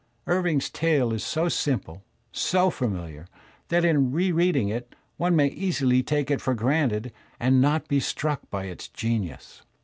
Irving's tale is so simple, so famiUar, that in rereading it one may easily take it for granted and not be struck by its genius.